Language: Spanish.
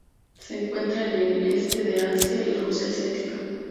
Se encuentra en el este de Asia y Rusia asiática.